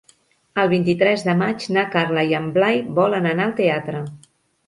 El vint-i-tres de maig na Carla i en Blai volen anar al teatre.